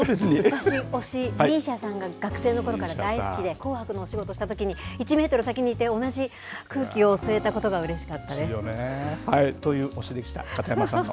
私、推し、ＭＩＳＩＡさんが学生のころから大好きで、紅白のお仕事したときに、１メートル先にいて、同じ空気を吸えたことがうれしいよね。という推しでした、片山さんの。